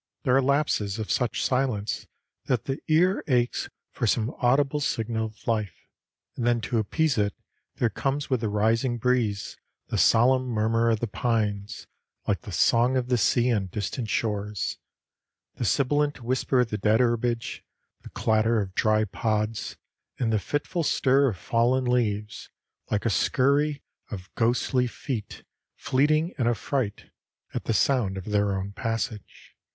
There are lapses of such silence that the ear aches for some audible signal of life; and then to appease it there comes with the rising breeze the solemn murmur of the pines like the song of the sea on distant shores, the sibilant whisper of the dead herbage, the clatter of dry pods, and the fitful stir of fallen leaves, like a scurry of ghostly feet fleeing in affright at the sound of their own passage.